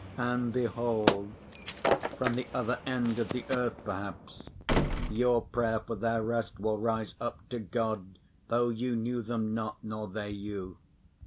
And behold, from the other end of the earth perhaps, your prayer for their rest will rise up to God though you knew them not nor they you.